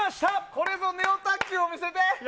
これぞネオ卓球を見せて！